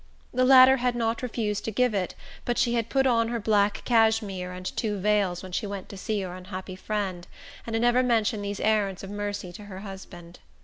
The latter had not refused to give it; but she had put on her black cashmere and two veils when she went to see her unhappy friend, and had never mentioned these errands of mercy to her husband.